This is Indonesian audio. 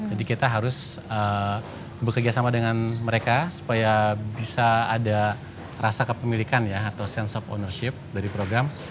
kita harus bekerjasama dengan mereka supaya bisa ada rasa kepemilikan ya atau sense of ownership dari program